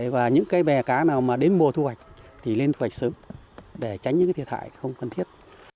và những cái bè cá nào mà đến mùa thu hoạch thì lên thu hoạch sớm để tránh những thiệt hại không cần thiết